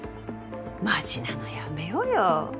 マジなのやめようよ。